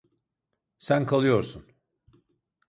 Sen kalıyorsun.